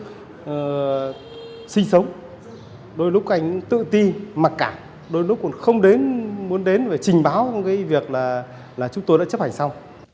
đôi lúc anh sinh sống đôi lúc anh tự ti mặc cảm đôi lúc cũng không muốn đến và trình báo việc là chúng tôi đã chấp hành xong